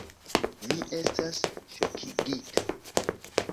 Mi estas ŝokigita!